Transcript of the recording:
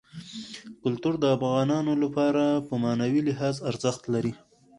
کلتور د افغانانو لپاره په معنوي لحاظ ارزښت لري.